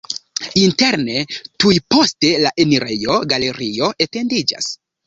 Interne tuj post la enirejo galerio etendiĝas.